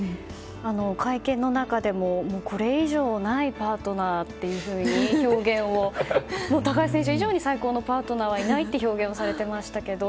会見の中でも、これ以上ないパートナーというふうに表現を、高橋選手以上に最高のパートナーはいないって表現をされていましたけど。